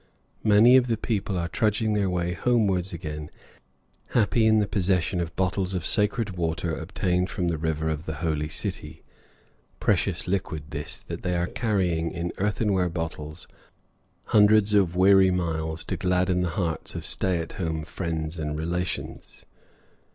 Many of the people are trudging their way homeward again, happy in the possession of bottles of sacred water obtained from the river at the holy city. Precious liquid this, that they are carrying in earthenware bottles hundreds of weary miles to gladden the hearts of stay at home friends and relations.